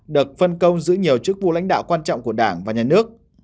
được phân công giữ nhiều chức vụ lãnh đạo quan trọng của đảng và nhà nước